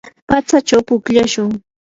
patsachaw pukllashun.